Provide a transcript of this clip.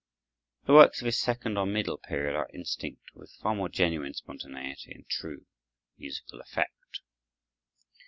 The works of his second or middle period are instinct with far more genuine spontaneity and true musical effect.